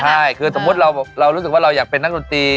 ใช่คือสมมุติเรารู้สึกว่าเราอยากเป็นนักดนตรี